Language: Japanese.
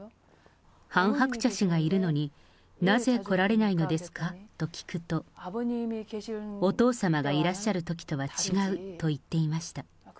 ハン・ハクチャ氏がいるのに、なぜ来られないのですかと聞くと、お父様がいらっしゃるときとは違うと言っていました。